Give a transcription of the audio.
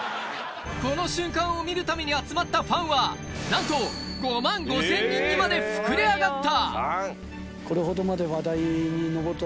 この瞬間を見るために集まったファンはなんとにまで膨れ上がった！